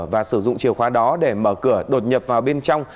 và sử dụng chìa khóa đó để mở cửa đột nhập vào bên trong